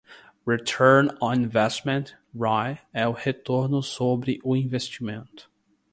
Return on Investment (ROI) é o retorno sobre o investimento.